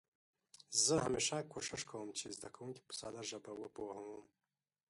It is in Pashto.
زه همېشه کوښښ کوم چې زده کونکي په ساده ژبه وپوهوم.